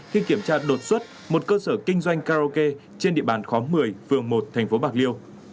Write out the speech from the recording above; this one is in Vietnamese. khi kiểm tra đột xuất một cơ sở kinh doanh karaoke trên địa bàn khóm một mươi phường một thành phố bạc liêu